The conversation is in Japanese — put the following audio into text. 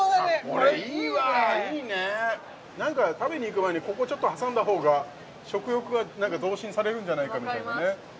これいいね何か食べに行く前にここちょっと挟んだほうが食欲が何か増進されるんじゃないかみたいなね